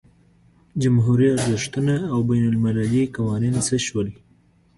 جمهوري ارزښتونه او بین المللي قوانین څه شول.